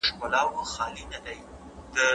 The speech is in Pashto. د عزت ساتني دپاره ادب مهم دی.